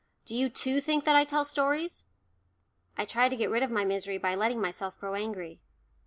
Do you too think that I tell stories?" I tried to get rid of my misery by letting myself grow angry.